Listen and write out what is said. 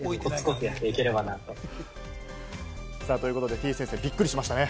てぃ先生、びっくりしましたね。